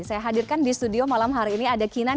saya hadirkan di studio malam hari ini ada kinan